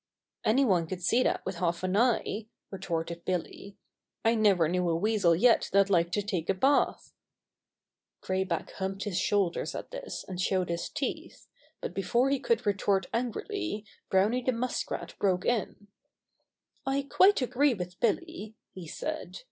"Anyone could see that with half an eye," retorted Billy. "I never knew a Weasel yet that liked to take a bath." 97 98 Bobby Gray Squirrel's Adventures Gray Back humped his shoulders at this and showed his teeth; but before he could retort angrily Browny the Muskrat broke in. "I quite agree with Billy," he said.